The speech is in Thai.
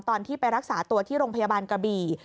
ตอนที่ไปรักษาตัวที่โรงพยาบาลกระบี่